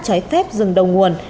trái phép rừng đầu nguồn